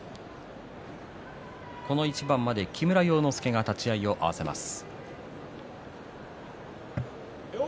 この一番まで木村要之助が立ち合いを合わせます。